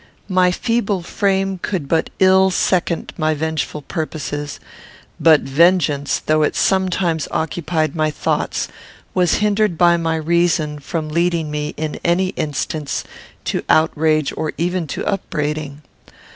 My feeble frame could but ill second my vengeful purposes; but vengeance, though it sometimes occupied my thoughts, was hindered by my reason from leading me, in any instance, to outrage or even to upbraiding.